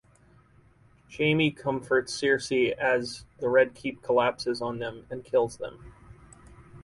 Jaime comforts Cersei as the Red Keep collapses on them and kills them.